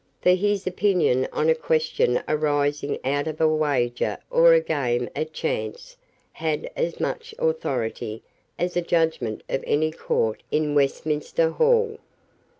For his opinion on a question arising out of a wager or a game at chance had as much authority as a judgment of any court in Westminster Hall.